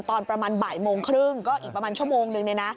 ตอนประมาณบ่ายโมงครึ่งก็อีกประมาณชั่วโมงนึง